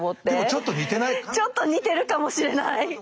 ちょっと似てるかもしれない。